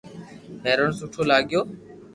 ھيرن سٺو لاگيو